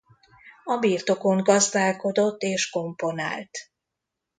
A birtokon gazdálkodott és komponált.